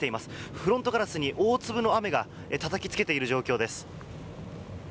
フロントガラスに大粒の雨がたたきつけている状況です。